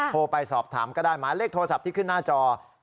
โทรไปสอบถามก็ได้หมายเลขโทรศัพท์ที่ขึ้นหน้าจอ